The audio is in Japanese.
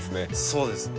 そうです。